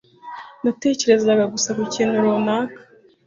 Natekerezaga gusa ku kintu runaka.